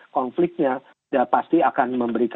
konfliknya pasti akan